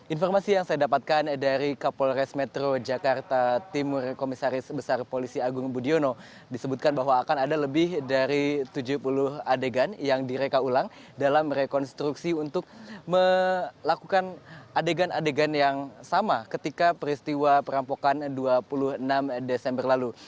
informasi yang saya dapatkan dari kapolres metro jakarta timur komisaris besar polisi agung budi jono disebutkan bahwa akan ada lebih dari tujuh puluh adegan yang direka ulang dalam rekonstruksi untuk melakukan adegan adegan yang sama ketika peristiwa perampokan dua puluh enam desember lalu